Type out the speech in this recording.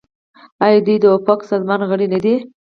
آیا دوی د اوپک سازمان غړي نه دي؟